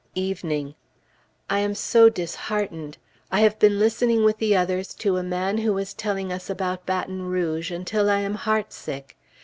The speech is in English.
Evening. I am so disheartened! I have been listening with the others to a man who was telling us about Baton Rouge, until I am heartsick.